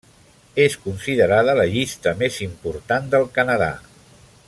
És considerada la llista més important del Canadà.